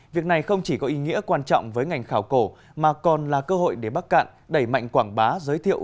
việc này không chỉ có ý nghĩa quan trọng với ngành khảo cổ mà còn là cơ hội để bắc cạn đẩy mạnh quảng bá giới thiệu